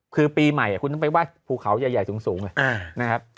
คือปีใหม่คุณต้องไปไหว้ภูเขาใหญ่สูงเลยนะครับ